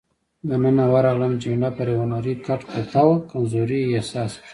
دننه ورغلم، جميله پر یو نرۍ کټ پرته وه، کمزوري یې احساس کړه.